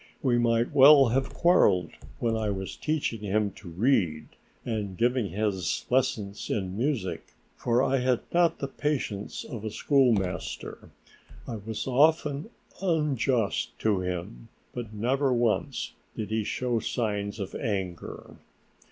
We might well have quarreled when I was teaching him to read and giving his lessons in music, for I had not the patience of a schoolmaster. I was often unjust to him, but never once did he show signs of anger.